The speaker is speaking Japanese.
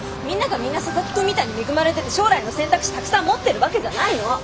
みんながみんな佐々木くんみたいに恵まれてて将来の選択肢たくさん持ってるわけじゃないの！